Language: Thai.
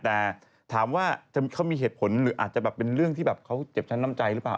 แต่ถามว่าเขามีเหตุผลหรืออาจจะแบบเป็นเรื่องที่แบบเขาเจ็บชั้นน้ำใจหรือเปล่า